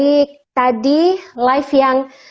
baik tadi live yang